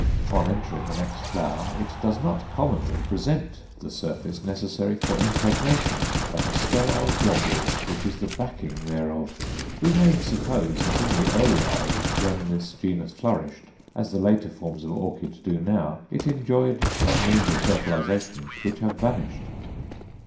On entering the next flower, it does not commonly present the surface necessary for impregnation, but a sterile globule which is the backing thereof. We may suppose that in the earlier age, when this genus flourished as the later forms of orchid do now, it enjoyed some means of fertilization which have vanished.